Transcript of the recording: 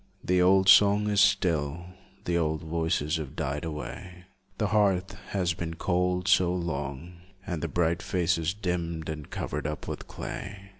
The old song is still, The old voices have died away, The hearth has been cold so long, And the bright faces dimmed and covered up with clay.